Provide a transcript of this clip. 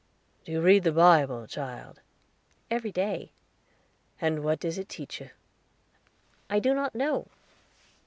"Do you read your Bible, child?" "Every day." "And what does it teach you?" "I do not know."